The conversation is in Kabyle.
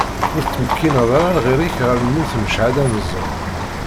Ur tettmekkineḍ ara lɣir-ik ɣer lmut s cchada n ẓẓur.